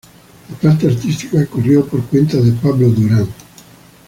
La parte artística corrió por cuenta de Pablo Durand.